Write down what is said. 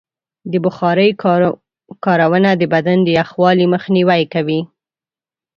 د بخارۍ کارونه د بدن د یخوالي مخنیوی کوي.